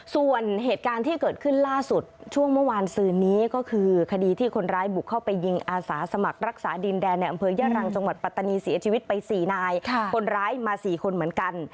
ส่วนเหตุการณ์ที่เกิดขึ้นล่าสุดช่วงเมื่อวานซืนนี้ก็คือคดีที่คนร้ายบุกเข้าไปยิงอาสาสมัครรักษาดินแดนในอำเภอย่ารังจังหวัดปัตตานีเสียชีวิตไป๔นายคนร้ายมา๔คนเหมือนกัน